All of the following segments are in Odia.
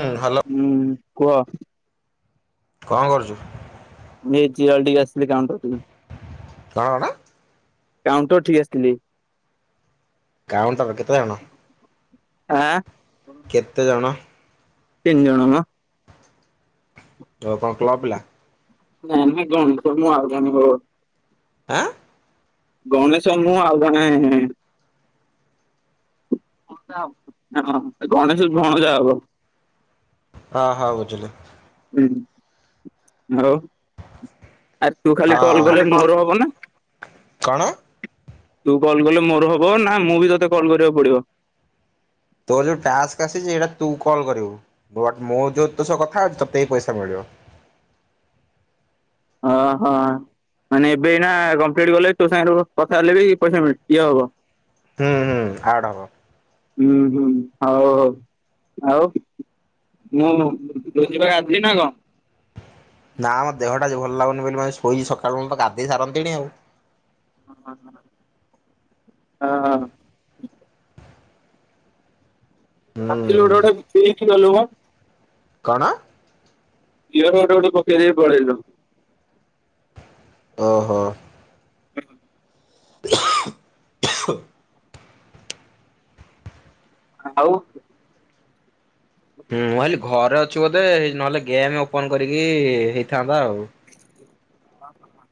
ହୁଁ ହ୍ୟାଲୋ ହୁଁ କୁହ। କଣ କରୁଛୁ? [unintelligible] [unintelligible] କାଉଣ୍ଟର୍ ଟିକେ। କଣ କଣ କାଉଣ୍ଟର୍ ଠି ଆସିଥିଲି। କାଉଣ୍ଟର କେତେ ଜଣ? ଆଁ! କେତେ ଜଣ? ତିନି ଜଣ ମ। ଓ କଣ କ୍ଲବ ପିଲା? ନାଇଁ ଆମେ [unintelligible] ଆଁ! ଗଣେଶ ମୁଁ ଆଉ ଜଣେ [unintelligible] ଗଣେଶ ଭଣଜା ହବ। ଅ ହଉ ବୁଝିଲି। ହୁଁ। ହଲୋ ଆରେ ତୁ ଖାଲି କଲ୍ କଲେ ହଁ ମୋର ହବ ନା? କଣ ତୁ କଲ୍ କଲେ ମୋର ହବ ନା ମୁଁ ବି ତତେ କଲ୍ କରିବାକୁ ପଡିବ? ତୋର ଯୋଉ ଟାକ୍ସ୍ ଆସିଛି ସେଇଟା ତୁ କଲ କରିବୁ ବଟ୍ ମୁଁ ଯୋଉ ତୋ କଥା ଅଛି ତତେ ପଇସା ହି ମିଳିବ। ଅ ହଁ ମାନେ ଏବେ ଏଇନା କମ୍ପ୍ଲିଟ କଲେ ବି ତୋ ସାଙ୍ଗରେ କଥା ହେଲେ ବି ପଇସା ମି ଇଏ ହବ! ହୁଁ ହୁଁ ଆଡ୍ ହବ। ହୁଁ ହୁଁ ହଉ ହଉ ଆଉ ମୁଁ [unintelligible] ଆଜି ନା କଣ? ନା ମୋ ଦେହଟା ଆଜି ଭଲ ଲାଗୁନି ବୋଲି ମୁଁ ଆଜି ଶୋଇଚି ସକାଳୁ ନ ହେଲେ ତ ଗାଧେଇ ସାରନ୍ତିଣି ଆଉ। ହ ହଁ। ହୁଁ [unintelligible] [unintelligible] ନୁହଁ। କଣ? ଇଅରବଡ୍ ଗୋଟେ ପକେଇ ଦେଇକି ପଳେଇଲୁ। ଓହୋ। [inaudible] ଆଉ? ହୁଁ ମୁଁ ଭାବିଲି ଘରେ ଅ ଛି ବୋଧେ ନହେଲେ ଗେମ୍ ଓପନ କରିକି ହେଇଥାନ୍ତା ଆଉ।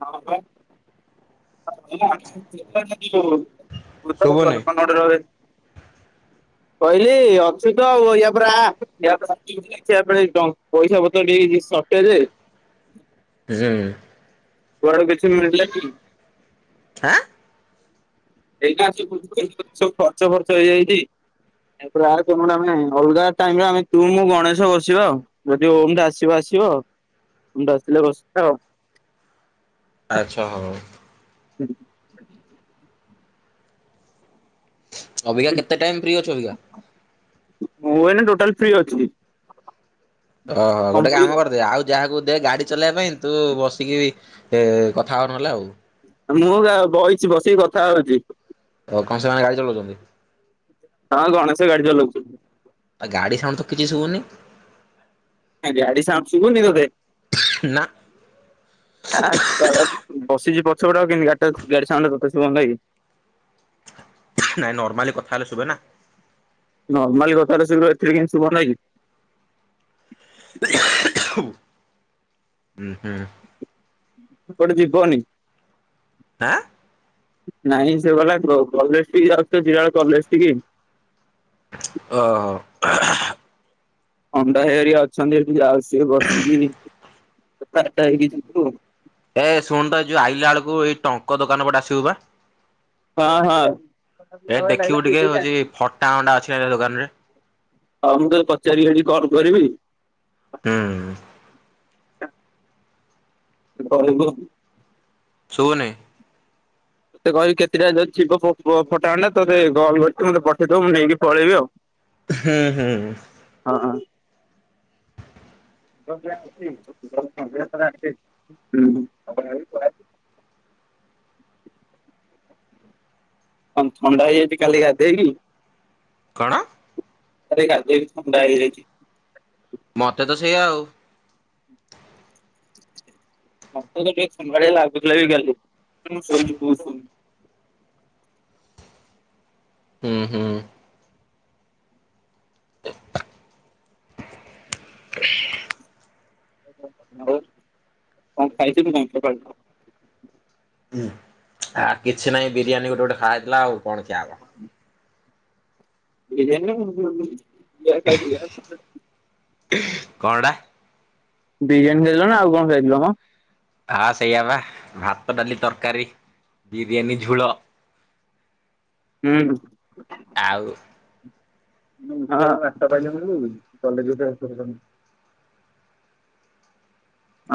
ହଁ ବା [inaudible] [unintelligible] ଶୁଭୁନି କହିଲି ଅଛୁ ତ ଆଉ ଇଆ ପରେ ଆ [unintelligible] ପଇସା ପତ୍ର ଟିକେ ହି ଶୋର୍ଟେଜ। ହୁଁ। ତୋ ଆଡୁ କିଛି ମିିଳିଲା କି? ଆଁ ଏଇଟା ହଉଚି [unintelligible] ଗଛ ଫଚ ହେଇଯାଇଛି [unintelligible] ଆମେ ଅଲଗା ଟାଇମ୍ ରେ ତୁ ମୁଁ ଗଣେଶ ବସିବା ଆଉ ଯଦି ଓମ୍ ଟା ଆସିବ ଆସିବ ଓମ୍ ଟା ଆସିଲେ ବସିବା ଆଉ। ଆଚ୍ଛା ହଉ। [inaudible] ଅବିକା କେତେ ଟାଇମ ଫ୍ରି ଅଛି ଅବିକା? ମୁଁ ଏନା ଟୋଟାଲ୍ ଫ୍ରି ଅଛି। ଓହୋ ଗୋଟେ କମ୍ପ୍ଲିଟ କାମ କରିଦେ ଆଉ ଯାହାକୁ ଦେ ଗାଡି ଚଲେଇବା ପାଇଁ ତୁ ବସିକି ଏ କଥା ହ ନହେଲେ ଆଉ ମୁଁ ବଇଚି ବସିକି କଥା ହଉଚି। ଓ କଣ ସେମାନେ ଗାଡି ଚଲଉଛନ୍ତି? ହଁ ଗଣେଶ ଗାଡି ଚଲଉଛି। ଗାଡି ସାଉଣ୍ଡ ତ କିଛି ଶୁଭୁନି ଗାଡି ସାଉଣ୍ଡ ଶୁଭୁନି ତତେ? ନା ଆଁ ତ ବସିଯିବ ଛୋଟ କେ କାଟ ଗାଡି ସାଉଣ୍ଡ ଟା ତତେ ଶୁଭନ୍ତାକି ନାଇଁ ନର୍ମାଲି କଥା ହେଲେ ଶୁଭେ ନା ନର୍ମଲ୍ କଥାଟା ଏଇଥିରେ କେମିତି ସୁଭାନ୍ତ କି [unintelligible] ହୁଁ ହୁଁ କୁଆଡେ ଯିବନି ଆଁ ନାଇଁ ସେ ଗଲା କଲେଜ ଟ ଯାଉଛଡ କଲେଜ ଠିକୀ ଓ ଅଣ୍ଡା ହାଇ ହେରିକା ଅଛନ୍ତି ଏଠୁ ଯାଉସ ବସିକି କଥାହେଇକି ଯିବୁ। ଏ ଶୁଣନ୍ତ ତ ଏଇ ଯୋଉ ଆଇଲା ବେଳକୁ ଏଇ ଟଙ୍କ ଦୋକାନ ପଟେ ଆସିବୁ ବା ହଁ ହଁ। ଏ ଦେଖିବୁ ଟିକେ ହଉଛି ଫଟା ଅଣ୍ଡା ଅଛି ଦୋକାନ ରେ ହଉ ମୁଁ ତତେ ପଚାରିକି କଲ୍ କରିବି ହୁଁ କହିବୁ ଆଉ। ଶୁଭୁନି ତୋତେ କହିବି କେତେଟା ଯଦି ଥିବ ଫଟା ଫ ଆଣ୍ଡ ତୋତେ କଲ୍ କରି ମତେ ପଠେଇଦବ ମୁଁ ନେଇକି ପଳେଇବି ଆଉ। ହୁଁ ହୁଁ। ହଁ ହଁ। [inaudible] ହ ଥଣ୍ଡା ହେଇଯାଇଛି କାଲି ଗାଧେଇକି କଣ? ଆରେ ଗାଧେଇକି ଥଣ୍ଡା ହେଇଯାଇଛି। ମତେ ତ ସେଇଆା ଆଉ ମତେ ଟିକିଏ ଥଣ୍ଡଳିଆ ଲାଗୁଥିଲା ବି କାଲି ମୁ ସୋଇଚି ବହୁତ୍ ସମୟ। ହୁଁ ହୁଁ। [inaudible] [inaudible] ହ କ ଖାଇଚୁ ତୁ କଣ ସକାଳୁ? ହୁଁ ଆ କିଛି ନାହିଁ ବିରିୟାନୀ ଗୋଟେ ଗୋଟେ ଖା ହେଇଥିଲା ଆଉ କଣ ଖିଆହବ? ବିରିଆନି ନା [unintelligible] [unintelligible] କଣଟା? ବିରିୟାନୀ ଖାଇଲ ନା ଆଉ କଣ ଖାଇଥିଲ ମ? ହଁ ସେଇଆା ବା ଭାତ ଡାଲି ତରକାରୀ ବିରିୟାନୀ ଝୋଳ ହୁଁ ହୁଁ। ହଁ ବାଟ ପାଇଲୁନି କି କଲେଜ ରେ ଥାଇ କି କଲ କଲୁନି?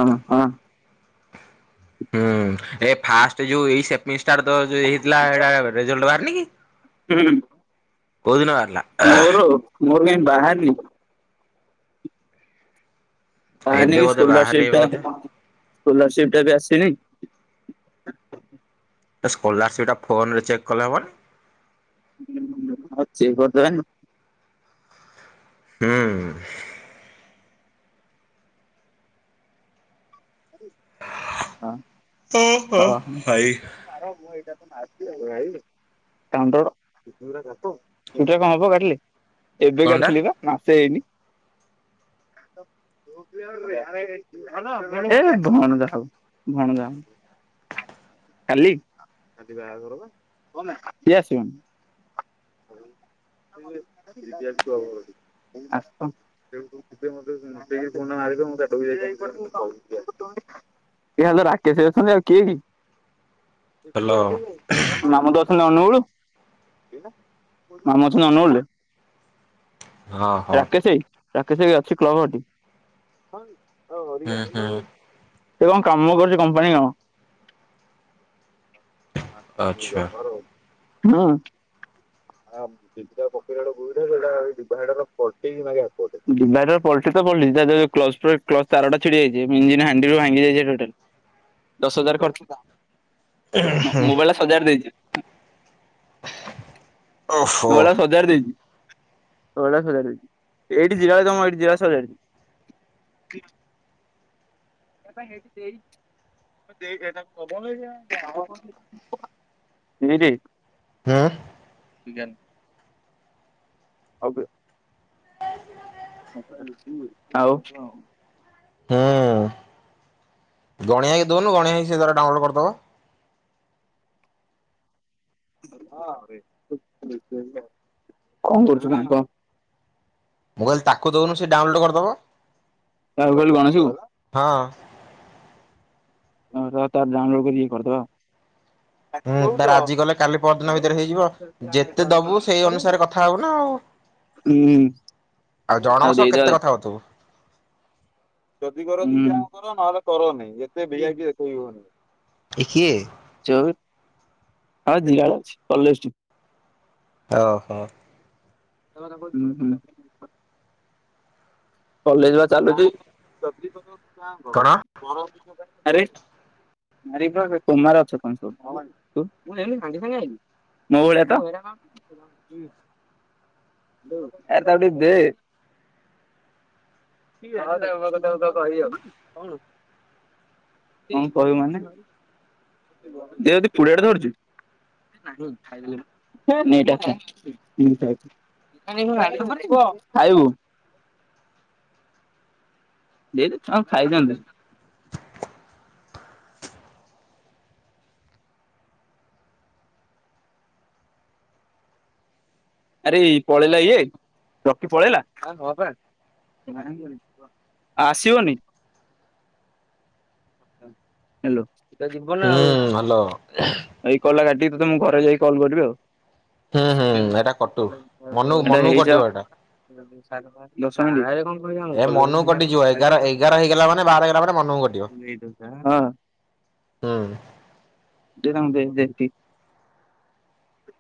ହଁ ହଁ। ହୁଁ ଏ ଫାଷ୍ଟ ଯୋଉ ଏଇ ସେ ଇଷ୍ଟାନ ହେଇଥିଲା ଏଇଟା ରେଜଲ୍ଟ ବାହାରନି କି? [unintelligible] ମୋର ମୋ- [inaudible] ବାହାରିନି। ବାହାରିନି ଏବେ କି ବୋଧେ ସୋଲାର ବାହାରିବ ସ୍କିପି ବୋଧେ ପାଇଁ କୋଲରସିପ ଟା ବି ଆସିନି। ସ୍କୋଲାରସିପ ଟା ଫୋନରେ ଚେକ୍ କଲେ ହବନି? [unintelligible] ହୁଁ। ହଁ। ଓ ହୋ ଓହୋ ଭାଇ [inaudible] [inaudible] ହବ କାଟିଲେ। ଏବେ କଣଟା କାଟିଥିଲି ପା ମାସେ ହେଇନି। [unintelligible] କାଲି [inaudible] ରାକେଶ ଅଛନ୍ତି। ହ୍ୟାଲୋ [unintelligible] [unintelligible] [unintelligible] ହଁ ହଁ। ରାକେଶ ଭାଇ ରାକେଶ ଅଛି କ୍ଳବ ଘଟି ହୁଁ ହୁଁ [unintelligible] ସେ କଣ କାମ କରୁଛି କମ୍ପାନୀ କାମ। ଆଚ୍ଛା। [unintelligible] ହଁ। [inaudible] କ୍ଲଚ୍ ତାର ଟା ଛିଡିଯାଇଛି। [inaudible] ମୋବାଇଲ ଟା ସଜାଡି ଦେଇଛି। [unintelligible] ମୋବାଇଲ ଟା ସଜାଡି ଦେଇଛି। [unintelligible] ହୁଁ। [inaudible] [unintelligible] ଆଉ। ହୁଁ। ଗଣିଆ ଭାଇକ ଦଉନୁ ଗଣିଆ ଭାଇ ସେ ତାର ଡାଉନଲୋଡ କରିଦବ। କଣ କରୁଛୁ [inaudible] କହ। ମୁଁ କହିଲି ତାକୁ ଦଉନୁ। ସେ ଡାଉନଲୋଡ଼ କାହାକୁ କହିଲୁ ଗଣେଶକୁ କରିଦବ ହଁ। ହୋଉ ରହ ତାର ଡାଉନଲୋଡ କରିକି କରିଦବା। ହୁଁ ତାର ଆଜି ଗଲେ କାଲି ପର ଦିନ ଭିତରେ ହେଇଯିବ ଯେତେ ଦବୁ ସେଇ ଅନୁସାରେ କଥା ହବ ନା ଆଉ ହୁଁ ଆଉ ଜଣଙ୍କ ସହ କେତେ କଥା ହଉଥିବୁ। ଯଦି କର [inaudible] କର ନହେଲେ କରନି ଏତେ ଭି ଆଇ ପି ଦେଖେଇ ହୁଅନି। ଇଏ କିଏ। ହଁ [inaudible] ଅଛି କଲେଜ ଟି ହ ହୋ। ହୁଁ ହୁଁ। କଲେଜ ବା ଚାଲୁଛି। [inaudible] କଣ? ଆରେ [inaudible] କୁମାର ଅଛ କଣ ସବୁ [unintelligible] ମୋ ଭଳିଆ ତ ଆରେ ତାକୁ ଟିକେ ଦେ କଣ କହିବୁ ମାନେ ଦେ ଯଦି ପୁଆଡେ ଧରିଛୁ। [inaudible] ଦେଇ ଦେ ଛୁଆ କୁ ଖାଇ ଦିଅନ୍ତୁ। ଆରେ ପଳେଇଲା ଇଏ ରକି ପଳେଇଲା ଆଉ ଆସିବନି ହାଲୋ [inaudible] ଯିବନା ଆଉ ହଁ ହ୍ୟାଲୋ। କଲ ଟା କାଟିକି ତ ତମ ଘରେ ଯାଇକି କଲ୍ କରିବି ଆଉ। ହୁଁ ହୁଁ ସତ୍ୟ ଏଇଟା କଟୁ। ମନୁ ଏଇଟା ମନୁକୁ କଟିବ ହେଇଯାଉ। ଏଟା। ଦଶ ମିନିଟ ଭାଇ ର କଣ ଏ ମନକୁ କଟିଯିବ ଏଗାର ଏଗାର ହେଇଗଲା ମାନେ ବାର ହେଇଗଲା ମାନେ ମନକୁ କଟିବ ହୁଁ। ଦେ ତାଙ୍କୁ [inaudible]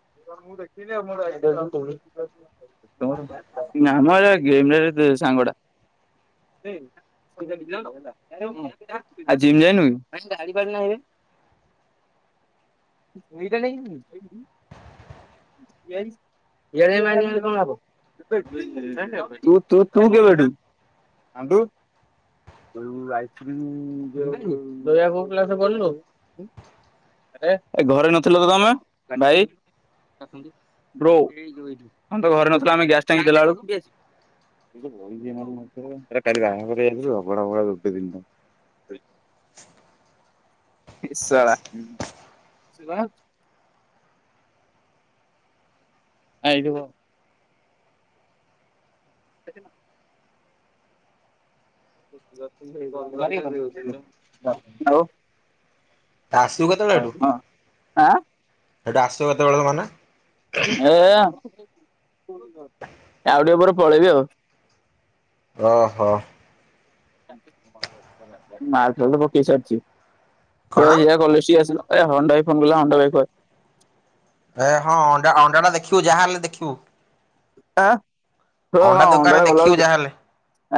[unintelligible] ଆମ ସାଙ୍ଗ ଟା ଆଉ ଜିମ ଯାଇନୁ କି। [inaudible] [unintelligible] ଏଁ ଘରେ ନଥିଲ ତ ତମେ ଭାଇ। ବ୍ରୋ ତମେ ତ ଘରେ ନଥିଲ ଆମେ ଗ୍ୟାସ ଟାଙ୍କି ଦେଲା ବେଳକୁ [inaudible] ଶଳା ଆଁ ଏଇଠି ବ। [inaudible] [unintelligible] ଆ ଆସିବୁ କେତେବେଳେ ଏଠୁ। ହଁ ଆଁ ସେଠୁ ଆସିବ କେତେବେଳେ ତ ମାନେ ଏଁ ଆଉ ଟିକେ ପରେ ପଳେଇବି ଆଉ। ଓ ହୋ। ମାର୍ବଲ ପକେଇ ସାରିଛି। [inaudible] କଣ? କଲେଜ ଠିକି ଆସିଲ। ଏ ହଣ୍ଡାଇ ଫୋନ୍ କଲା ହଣ୍ଡା ଭାଇ କ ଏ ହଁ ଅଣ୍ଡା ଅଣ୍ଡା ନା ଦେଖ ଦେଖିବୁ ଯାହା ହେଲେ ଦେଖିବୁ। [inaudible] ହଁ ହଁ ଅଣ୍ଡା ଦୋକାନରେ ଅଣ୍ଡାାରୋ ଗଲା ଦେଖିବୁ ବବେଳ ଯାହାହେଲେ।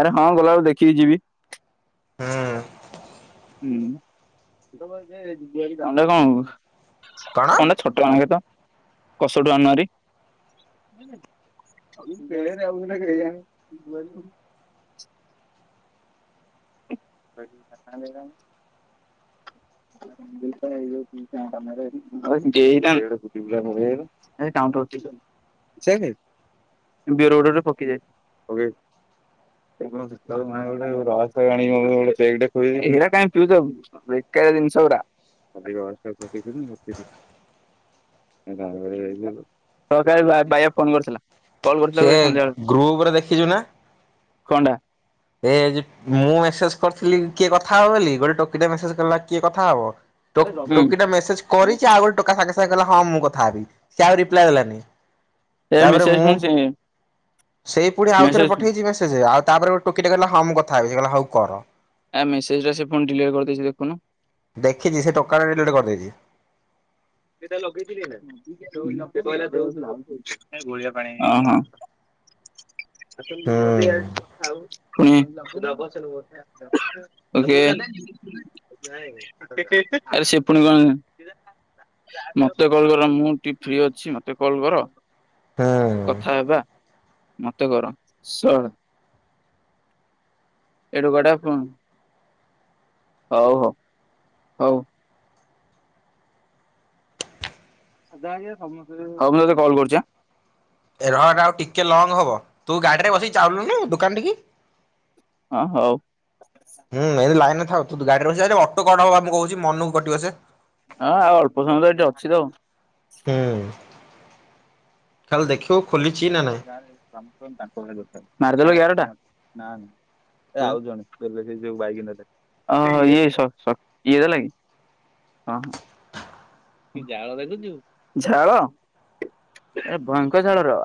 ଆରେ ହଁ ଗଲାବେଳୁ ଦେଖିକି ଯିବି। ହୁଁ ହୁଁ। [unintelligible] କଣ? ଅନେ ଛୋଟ ମକ ତ କସଠୁ ଆଣାରେଳେରେ ଆ [inaudible] [unintelligible] ଷ ଗ ସକାଳେ ଫ କରିୁଥିଲା [inaudible] ସେ ଗ୍ରୁପରେ ଦେଖିଛୁ ନା କଣ ଏ ମୁଁ ମେସେଜ କରିଥିଲି କିଏ କଥା ହବ ବୋଲିି ଗୋ ଟକି ମେଜ୍ କରଲା କିଏ କଥା ହବ ଟା ହୁଁ ଟୋକି ଟା ମେସେଜ କରିଛି ଆଉ ଗୋ ଟୋକା ସାଙ୍ଗେ ସାଙ୍ଗେ କଲା ହଁ ମୁଁ କଥା ହେବି ସେ ଆଉ ରିପ୍ଲାଏ ଦେଲାନି ଏ ତାପରେ ମେସେଜ ମୁଁ ପୁଣି ସେ ସେଇ ପୁଣି ଆଉଥରେ ମେସେଜ ପଠେଇଛି ମେସେଜ ଆଉ ତାପରେ ଗୋଟେ ଟୋକିଟ କିଲ ହ କଥା ସେହ ହଉ କର ଆ ମେସେଜ ଟା ସେ ଫୋନ ଡିଲିଭାର କରିଦେଇଛି ଦେଖୁନୁ ଦେଖିଛି ସେ ଟୋକାଟା [unintelligible] ସେଟ ଲଗେଇଥିଲେ ଗଳିଆ ପାଣି [inaudible] ଆଉ ତମେ ହୁଁ ଲୁ ଦେ ଆଉ କଥା ହଉ [inaudible] ପୁଣି ଓକେ ଆରେ ସେ ପୁଣି କଣ ମତେ କଲ କର ମୁଁ ଟିକେ ଫ୍ରି ଅଛି ମତେ କଲ କର ହୁଁ। କଥା ହେବା ମତେ କର ଶଳ ଏଡୁ ଗଟାୁ [inaudible] ହଉ ହଉ ହଉ ସ୍ତେ ସମସ୍ତେତେ କଲ୍ କରୁଛ [inaudible] ରହ ଟା ଆଉ ଟିକେ ଲଙ୍ଗ ହବ ତୁ ଗାଡିରେ ବସିକି ଚାଲଲୁୁ ଦୋକାନ ଟିକ ହଁ ହଉ ହୁଁ ଏ ଲାଇନ ତ ଗାଡିରେ ର ଅଟୋ କ ହବା ମୁଁ କହୁଛି ମନକୁ କଟିବ ସେ ହଁ ଆଉ ଅଳ୍ପ ସମୟ ତ ଏଠି ଅଛି ତ ଖଲ ଦେଖିଓ [inaudible] ମଙ୍କ ନାରଦେଲ ଗର ଟା [inaudible] ନା ନାଇଁ ଆଉ ଜଣେ ଦେଲେ ସେ ଯାଇକ ନଲେ ଇଏ ଇଏ ଦେଲା କି ହ [inaudible] ଝାଳ ଦେଖୁଛୁ ଝାଳ ଭୟଙ୍କର ଝାଳ ର